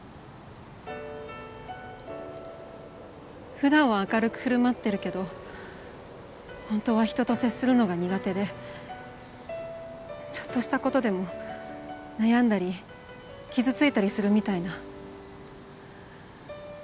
普段は明るく振る舞ってるけど本当は人と接するのが苦手でちょっとした事でも悩んだり傷ついたりするみたいな。